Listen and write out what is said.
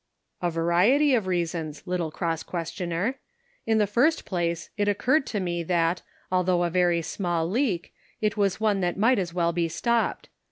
" A variety of reasons, little cross questioner. In the first place, it occurred to me that, al though a very small leak, it was one that might as well be stopped.